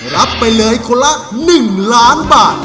รับไปเลยคนละ๑ล้านบาท